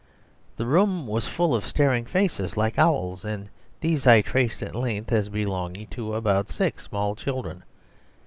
The room was full of staring faces like owls, and these I traced at length as belonging to about six small children.